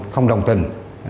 không đồng tình